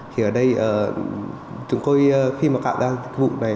thì ở đây chúng tôi khi mà cạo ra vụ này